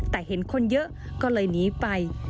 แต่เห็นคนเยอะก็เลยหนีไป